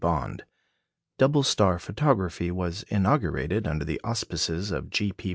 Bond. Double star photography was inaugurated under the auspices of G. P.